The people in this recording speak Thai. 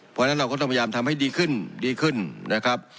เพราะฉะนั้นเราก็ต้องพยายามทำให้ดีขึ้นดีขึ้นนะครับ